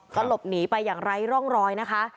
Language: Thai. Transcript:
ก็หลบหนีไปอย่างไร้ร่องรอยนะคะ